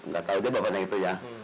gak tau aja bapaknya gitu ya